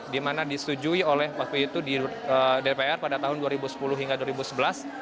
dimana disetujui oleh waktu itu di dpr pada tahun dua ribu sepuluh hingga dua ribu sebelas